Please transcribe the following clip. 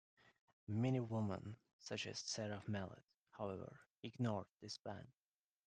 Many women, such as Sarah Mallet, however, ignored this ban.